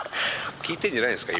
聴いてるんじゃないんですか？